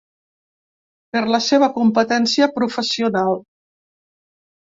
Per la seva competència professional.